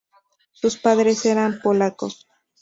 Sus padres eran polacos.